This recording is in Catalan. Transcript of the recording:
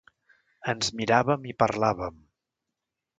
Ens miràvem i parlàvem.